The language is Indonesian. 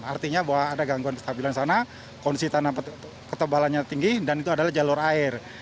artinya bahwa ada gangguan kestabilan sana kondisi tanah ketebalannya tinggi dan itu adalah jalur air